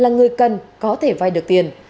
người cần có thể vai được tiền